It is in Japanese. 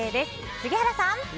杉原さん！